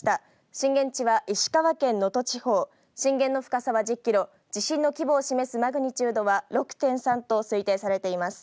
震源地は石川県能登地方、震源の深さは１０キロ、地震の規模を示すマグニチュードは６．３と推定されています。